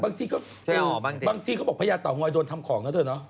บางทีก็บอกพญาต่อง้อยโดนทำของนะเถอะเนอะ